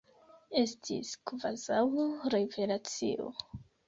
Estis kvazaŭ revelacio!